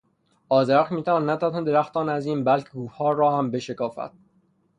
آذرخش میتواند نه تنها درختان عظیم بلکه کوهها را هم بشکافد.